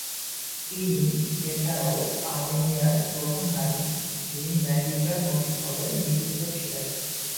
তিনি এছাড়াও আর্মেনিয়ার প্রথম নারী যিনি ন্যায়বিচার মন্ত্রী পদে নিযুক্ত ছিলেন।